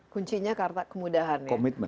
kuncinya kata kemudahan ya komitmen